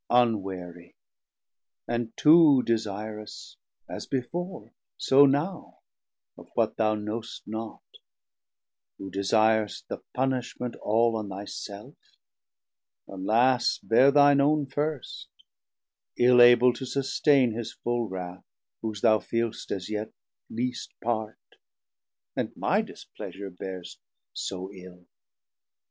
Unwarie, and too desirous, as before, So now of what thou knowst not, who desir'st The punishment all on thy self; alas, Beare thine own first, ill able to sustaine 950 His full wrauth whose thou feelst as yet lest part, And my displeasure bearst so ill.